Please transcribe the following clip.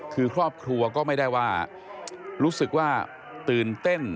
คือครอบครัวก็ไม่ได้ว่ารู้สึกว่าตื่นเต้น